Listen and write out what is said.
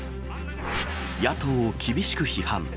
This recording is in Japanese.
野党を厳しく批判。